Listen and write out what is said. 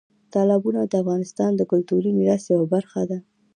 تالابونه د افغانستان د کلتوري میراث یوه برخه ده.